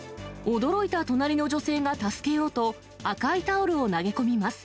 驚いた隣の女性が助けようと、赤いタオルを投げ込みます。